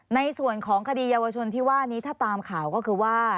ในส่วนของคดีเยาวชนที่ว่านี้ถ้าตามข่าวก็คือว่า